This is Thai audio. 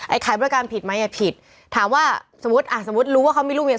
ขายบริการผิดไหมอ่ะผิดถามว่าสมมุติอ่ะสมมุติรู้ว่าเขามีลูกอย่าง